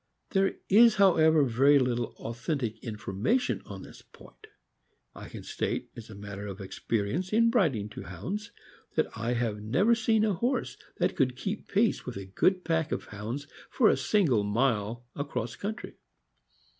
There is, however, very little authentic information on this point. I can state, as a matter of experience in riding to Hounds, that I have never seen a horse that could keep pace with a good pack of Hounds for a single mile across country.